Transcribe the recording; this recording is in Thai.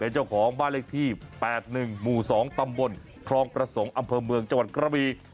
เจ้าของบ้านเลขที่๘๑หมู่๒ตำบลคลองประสงค์อำเภอเมืองจังหวัดกระบี